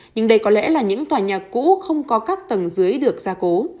nhưng đây có lẽ là những tòa nhà cũ không có các tầng dưới được gia cố